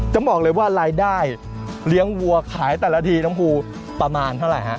จะบอกเลยว่ารายได้เลี้ยงวัวขายแต่ละทีน้องภูประมาณเท่าไหร่ฮะ